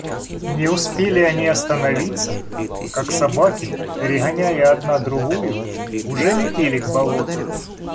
Не успели они остановиться, как собаки, перегоняя одна другую, уже летели к болоту.